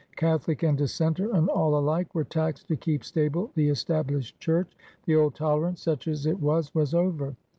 Catholic and Dis senter and all alike were taxed to keep stable the Established Church. The old tolerance, such as it was, was over.